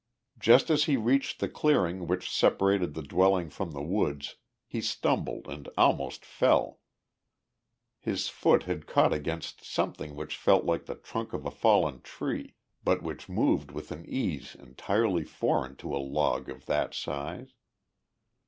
Just as he reached the clearing which separated the dwelling from the woods, he stumbled and almost fell. His foot had caught against something which felt like the trunk of a fallen tree, but which moved with an ease entirely foreign to a log of that size.